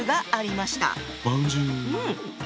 うん。